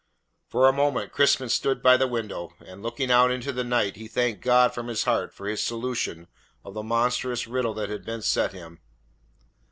For a moment Crispin stood by the window, and looking out into the night he thanked God from his heart for his solution of the monstrous riddle that had been set him.